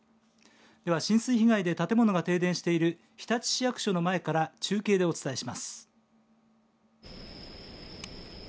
では、浸水被害で建物が停電している日立市役所の前から中継でお伝えします。